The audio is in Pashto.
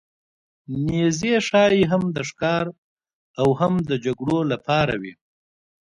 نیزې ښايي هم د ښکار او هم د جګړو لپاره وې.